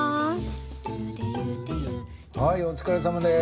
はいお疲れさまです。